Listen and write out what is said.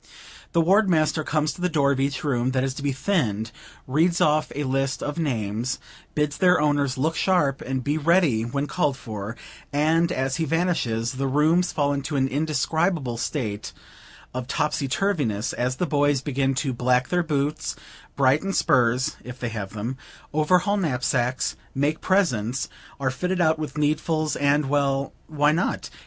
The ward master comes to the door of each room that is to be thinned, reads off a list of names, bids their owners look sharp and be ready when called for; and, as he vanishes, the rooms fall into an indescribable state of topsy turvyness, as the boys begin to black their boots, brighten spurs, if they have them, overhaul knapsacks, make presents; are fitted out with needfuls, and well, why not?